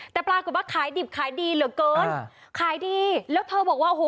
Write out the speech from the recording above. แต่ปรากฏว่าขายดิบขายดีเหลือเกินขายดีแล้วเธอบอกว่าโอ้โห